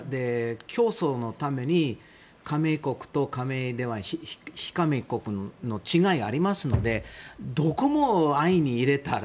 競争のために加盟国と非加盟国の違いがありますのでどこも安易に入れたら。